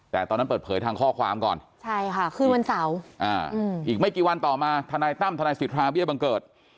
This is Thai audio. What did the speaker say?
แต่ตอนนั้นเปิดเผยทางข้อความก่อนอีกไม่กี่วันต่อมาทนายตั้มทนายสิทธิ์ภาพเบี้ยบังเกิด